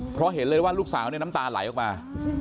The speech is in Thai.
เพราะเห็นเลยว่าลูกสาวเนี่ยน้ำตาไหลออกมา